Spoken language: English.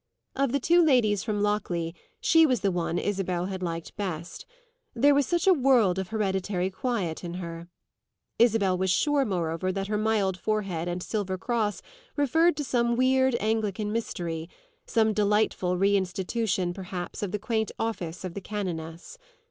Of the two ladies from Lockleigh she was the one Isabel had liked best; there was such a world of hereditary quiet in her. Isabel was sure moreover that her mild forehead and silver cross referred to some weird Anglican mystery some delightful reinstitution perhaps of the quaint office of the canoness.